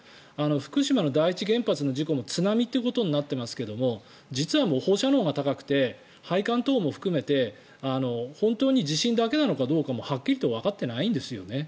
福島の第一原発の事故も津波ということになってますけど実は放射能が高くて配管等も含めて本当に地震だけなのかどうかもはっきりとわかってないんですよね。